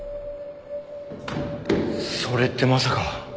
それってまさか。